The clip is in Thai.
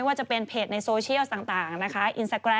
คุณค่ะคุณค่ะคุณค่ะ